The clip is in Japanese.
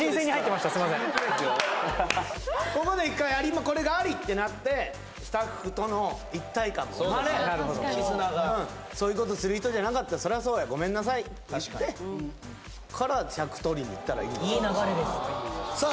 ここで１回これがありってなってスタッフとの一体感も生まれ絆がそういうことする人じゃなかったそらそうやごめんなさいって言ってから尺とりにいったらいい・いい流れですねさあ